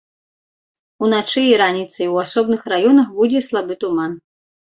Уначы і раніцай у асобных раёнах будзе слабы туман.